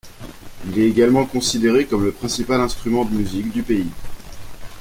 Il est également considéré comme le principal instrument de musique du pays.